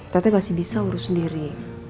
tete pasti bisa urus sendiri